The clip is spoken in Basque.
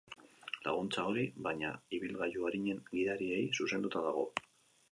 Laguntza hori, baina, ibilgailu arinen gidariei zuzenduta dago.